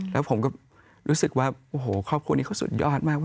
แล้วผมก็รู้สึกว่าโอ้โหครอบครัวนี้เขาสุดยอดมาก